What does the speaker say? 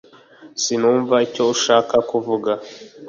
Sinumva icyo ushaka kuvuga